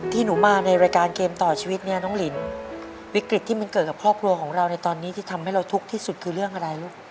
ที่หนูมาในรายการเกมต่อชีวิตเนี่ยน้องลินวิกฤตที่มันเกิดกับครอบครัวของเราในตอนนี้ที่ทำให้เราทุกข์ที่สุดคือเรื่องอะไรลูก